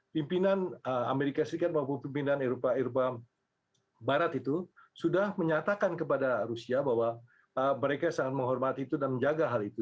pimpinan amerika serikat maupun pimpinan eropa eropa barat itu sudah menyatakan kepada rusia bahwa mereka sangat menghormati itu dan menjaga hal itu